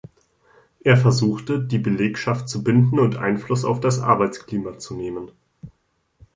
Er versuchte, die Belegschaft zu binden und Einfluss auf das Arbeitsklima zu nehmen.